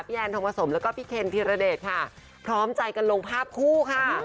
แอนทองผสมแล้วก็พี่เคนธีรเดชค่ะพร้อมใจกันลงภาพคู่ค่ะ